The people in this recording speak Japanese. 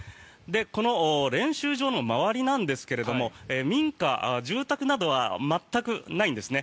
この練習場の周りなんですが民家、住宅などは全くないんですね。